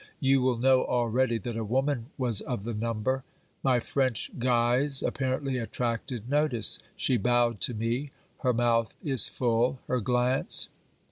You will know already that a woman was of the number. My French guise apparently attracted notice : she bowed to me. Her mouth is full, her glance.